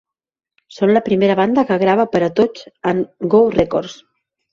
Són la primera banda que grava per a Touch and Go Records.